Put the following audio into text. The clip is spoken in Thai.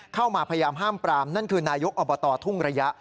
เข้ามาพยายามห้ามปรามนั่นคือนายกอบตทุ่งระยะ